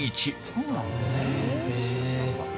そうなんですよね。